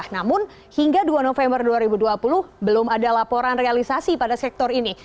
namun hingga dua november dua ribu dua puluh belum ada laporan realisasi pada sektor ini